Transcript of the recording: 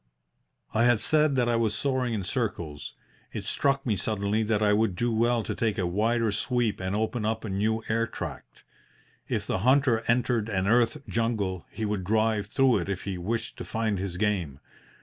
"I have said that I was soaring in circles. It struck me suddenly that I would do well to take a wider sweep and open up a new air tract. If the hunter entered an earth jungle he would drive through it if he wished to find his game.